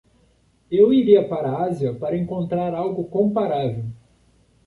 Eu iria para a Ásia para encontrar algo comparável.